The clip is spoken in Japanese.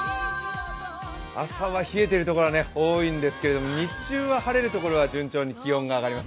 朝は冷えているところが多いんですけど、日中は晴れる所は順調に気温が上がります。